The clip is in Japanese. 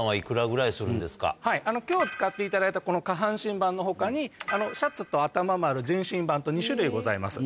はい今日使っていただいた下半身版の他にシャツと頭もある全身版と２種類ございます。